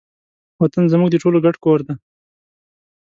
وطن زموږ د ټولو ګډ کور دی.